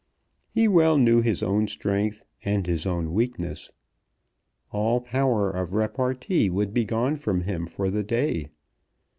He well knew his own strength and his own weakness. All power of repartee would be gone from him for the day.